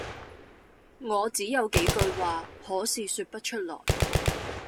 「我只有幾句話，可是説不出來。